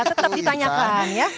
tetap ditanyakan ya